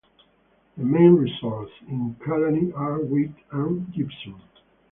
The main resources in Kalannie are wheat and gypsum.